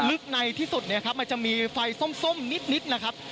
ลึกในที่สุดมันจะมีไฟส้มนิดนะครับ